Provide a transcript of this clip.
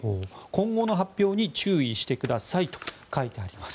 今後の発表に注意してくださいと書いてあります。